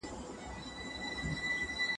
عالم وايي چي دولت د مذهب مخکنی بازو دی.